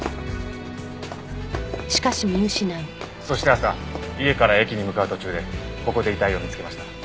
そして朝家から駅に向かう途中でここで遺体を見つけました。